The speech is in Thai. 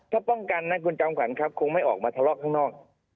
ถ้าป้องกันนะคุณจอมขวัญครับคงไม่ออกมาทะเลาะข้างนอก